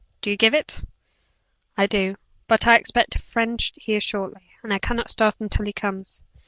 Do you give it?" "I do; but I expect a friend here shortly, and cannot start until he comes."